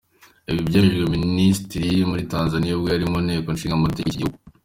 Ibi byemejwe na Minisitiri muri Tanzania ubwo yari mu Nteko Nshingamategeko y’iki gihugu.